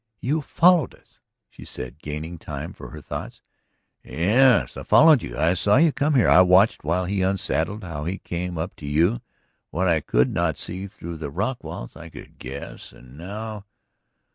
"You followed us?" she said, gaining time for her thoughts. "Yes; I followed you. I saw you come here. I watched while he unsaddled, how he came up to you. What I could not see through the rock walls I could guess! And now